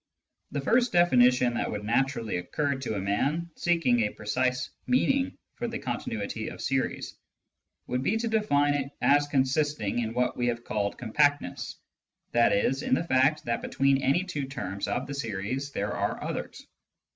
The first definition that would naturally occur to a man seeking a precise meaning for the continuity of series would be to define it as consisting in what we have called " compactness," i.e. in the fact that between any two terms of the series there are others.